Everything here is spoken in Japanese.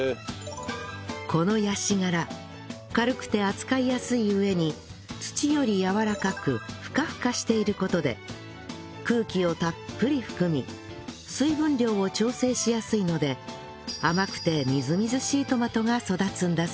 このヤシ殻軽くて扱いやすい上に土よりやわらかくフカフカしている事で空気をたっぷり含み水分量を調整しやすいので甘くてみずみずしいトマトが育つんだそう